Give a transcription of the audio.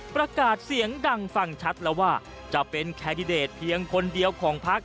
ประกาศเสียงดังฟังชัดแล้วว่าจะเป็นแคนดิเดตเพียงคนเดียวของพัก